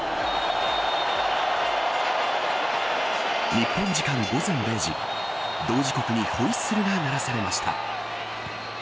日本時間午前５時同時刻にホイッスルが鳴らされました。